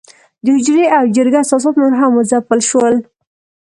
د حجرې او جرګې اساسات نور هم وځپل شول.